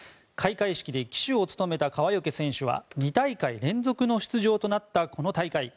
開会式で旗手を務めた川除選手は２大会連続の出場となったこの大会。